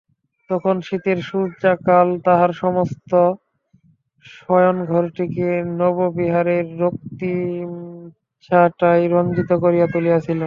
তখন শীতের সূর্যাস্তকাল তাহার সমস্ত শয়নঘরটিকে নববিবাহের রক্তিমচ্ছটায় রঞ্জিত করিয়া তুলিয়াছিল।